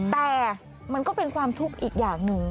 แต่มันก็เป็นความทุกข์อีกอย่างหนึ่ง